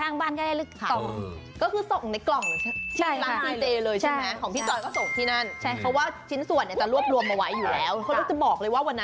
นี่คือผู้ชมดีหนึ่งในร้าน